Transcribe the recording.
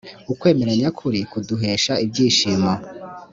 ukwemera nyakuri kuduhesha ibyishimo.